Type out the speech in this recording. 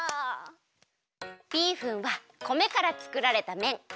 ビーフンは米からつくられためん。